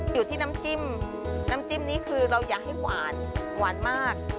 อยู่ที่น้ำจิ้มน้ำจิ้มนี้คือเราอยากให้หวานหวานมาก